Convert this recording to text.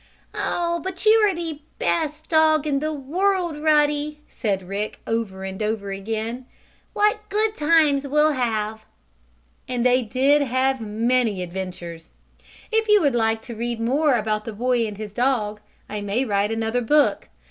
"Oh, but you are the best dog in the world, Ruddy!" said Rick, over and over again. "What good times we'll have!" And they did have many adventures. If you would like to read more about the boy and his dog I may write another book.